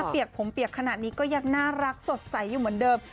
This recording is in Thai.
เปียกผมเปียกขนาดนี้ก็ยังน่ารักสดใสอยู่เหมือนเดิม